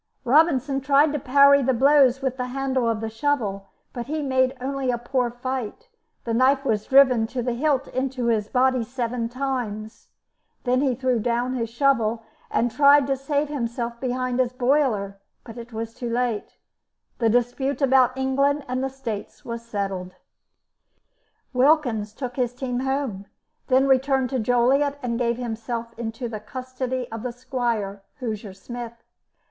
Robinson tried to parry the blows with the handle of the shovel, but he made only a poor fight; the knife was driven to the hilt into his body seven times, then he threw down his shovel, and tried to save himself behind the boiler, but it was too late; the dispute about England and the States was settled. Wilkins took his team home, then returned to Joliet and gave himself into the custody of the squire, Hoosier Smith.